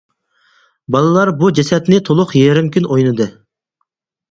بالىلار بۇ جەسەتنى تولۇق يېرىم كۈن ئوينىدى.